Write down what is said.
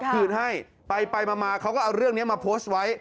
คืนให้ไปมาเขาก็เอาเรื่องนี้มาโพสต์ไว้